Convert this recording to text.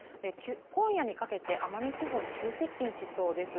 今夜にかけて、奄美地方に急接近しそうです。